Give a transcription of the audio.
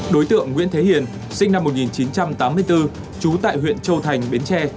đối tượng nguyễn thế hiền sinh năm một nghìn chín trăm tám mươi bốn trú tại huyện châu thành bến tre